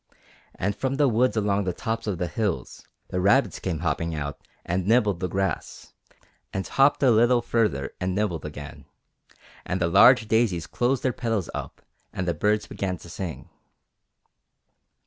And from the woods along the tops of the hills the rabbits came hopping out and nibbled the grass, and hopped a little further and nibbled again, and the large daisies closed their petals up and the birds began to sing.